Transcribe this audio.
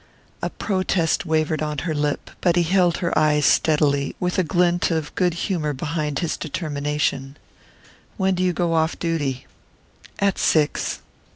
A protest wavered on her lip, but he held her eyes steadily, with a glint of good humour behind his determination. "When do you go off duty?" "At six."